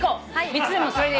３つ目もそれで。